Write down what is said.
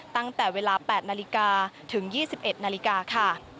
ตั้งแต่เวลา๘นาฬิกาถึง๒๑นาฬิกาค่ะ